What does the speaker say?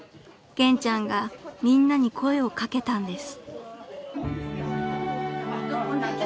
［健ちゃんがみんなに声を掛けたんです］